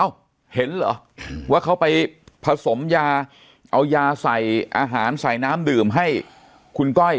เห็นเหรอว่าเขาไปผสมยาเอายาใส่อาหารใส่น้ำดื่มให้คุณก้อย